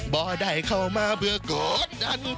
บ่าได้เข้ามาเบื่อโกรธนั่น